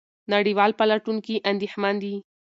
نړیوال پلټونکي اندېښمن دي.